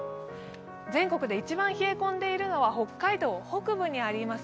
全国で一番冷え込んでいるのは北海道北部にあります